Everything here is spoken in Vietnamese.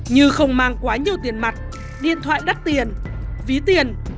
như không mang quá nhiều tiền mặt điện thoại đắt tiền ví tiền